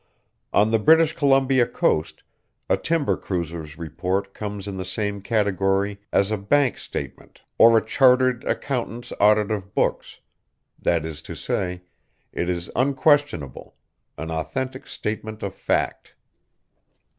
On the British Columbia coast a timber cruiser's report comes in the same category as a bank statement or a chartered accountant's audit of books; that is to say, it is unquestionable, an authentic statement of fact.